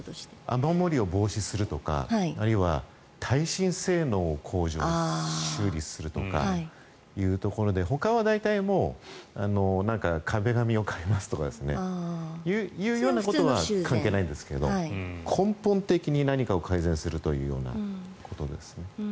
雨漏りを防止するとかあるいは耐震性能を向上するために修理するとかでほかは大体壁紙を変えますとかいうようなことは関係ないんですが根本的に何かを改善するというようなことです。